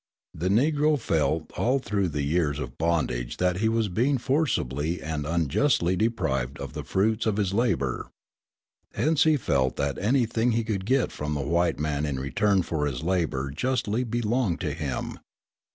The Negro felt all through the years of bondage that he was being forcibly and unjustly deprived of the fruits of his labour. Hence he felt that anything he could get from the white man in return for this labour justly belonged to him.